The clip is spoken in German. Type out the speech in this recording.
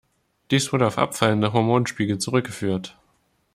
Dies wurde auf abfallende Hormonspiegel zurückgeführt.